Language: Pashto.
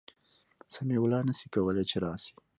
سمیع الله نسي کولای چي راسي